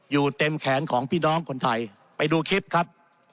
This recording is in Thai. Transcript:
อยู่เต็มแขนของพี่น้องคนไทยไปดูคลิปครับ